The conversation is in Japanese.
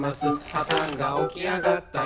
「はたが起き上がったり」